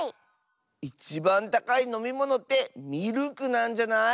いちばんたかいのみものってミルクなんじゃない？